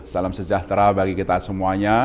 salam sejahtera bagi kita semuanya